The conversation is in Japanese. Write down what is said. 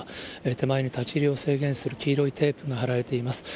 手前に立ち入りを制限する黄色いテープが張られています。